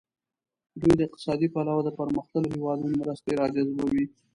دوی د اقتصادي پلوه د پرمختللو هیوادونو مرستې را جذبوي.